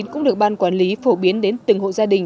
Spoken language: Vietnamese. cũng được ban quản lý phổ biến đến từng hộ gia đình